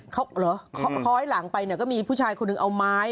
เขาหรือคอยหลังไปก็มีผู้ชายคนนึงเอาไม้